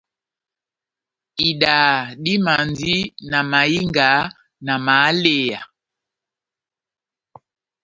Idaha dimandi na mahinga, na mahaleya.